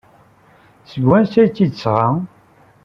Seg wansi ay t-id-tesɣa?